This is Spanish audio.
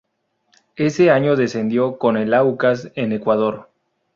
Ese año descendió con el Aucas en Ecuador.